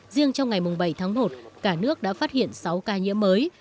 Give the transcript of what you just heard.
riêng trong ngày bảy tháng một cả nước đã phát hiện sáu ca nhiễm mới